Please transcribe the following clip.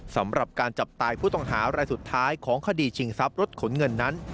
สำหรับการจับตายผู้ต้องหารายสุดท้ายของคดีชิงทรัพย์รถขนเงินนั้น